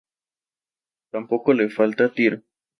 Tampoco le falta tiro.